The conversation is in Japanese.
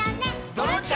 「ドロンチャ！